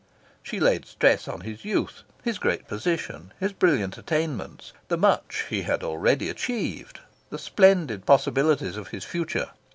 She laid stress on his youth, his great position, his brilliant attainments, the much he had already achieved, the splendid possibilities of his future.